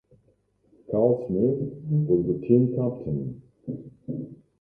Carl Smith was the team captain.